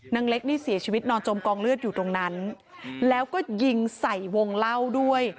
นางเล็กนี่เสียชีวิตนอนจมกองเลือดอยู่ตรงนั้นแล้วก็ยิงใส่วงเล่าด้วย